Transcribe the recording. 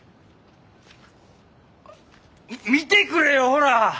見てくれよほら！